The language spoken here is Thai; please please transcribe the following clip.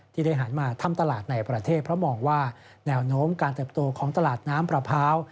ที่ได้หันมาทำตลาดในประเทศเพราะมองว่าแนวโน้มการเติบโตของตลาดน้ำปลาพร้าว